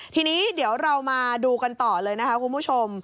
ทีนี้เดี๋ยวเรามาดูกันต่อเลยนะคะคุณผู้ชม